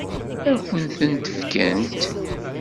Ad kent-ten-fkent?